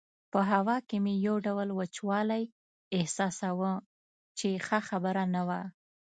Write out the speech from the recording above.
په هوا کې مې یو ډول وچوالی احساساوه چې ښه خبره نه وه.